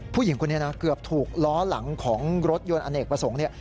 ผู้หญิงคนนี้นะเกือบถูกล้อหลังของรถยนต์อเนกประสงค์เนี่ย